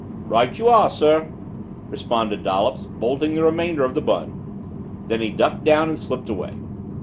"Right you are, sir," responded Dollops, bolting the remainder of the bun. Then he ducked down and slipped away.